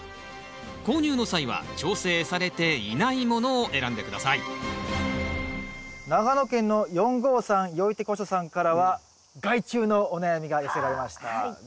購入の際は調整されていないものを選んで下さい長野県の４５３よいてこしょさんからは害虫のお悩みが寄せられました。